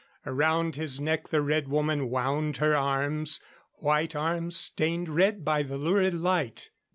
Around his neck the Red Woman wound her arms white arms stained red by the lurid light.